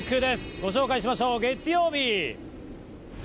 ご紹介しましょう、月曜日。